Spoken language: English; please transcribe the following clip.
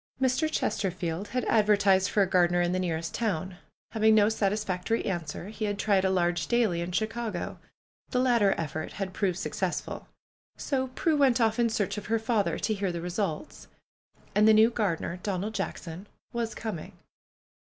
Mr. Chesterfield had advertised for a gardener in the nearest town. Having no satisfactory answer, he had tried a large daily in Chicago. The latter effort had proved successful. So Prue went off in search of her father to hear the results. And the new gardener, Donald J ackson, was coming.